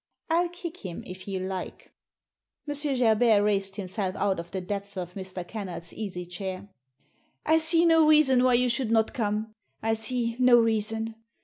I'll kick him if you like." M. Gerbert raised himself out of the depths of Mr. Kennard's easy chair. I see no reason why you should not come — I see no reasoa M.